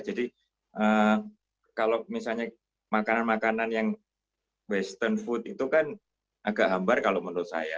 jadi kalau misalnya makanan makanan yang western food itu kan agak hambar kalau menurut saya